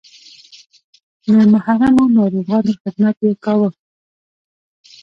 د محرومو ناروغانو خدمت یې کاوه.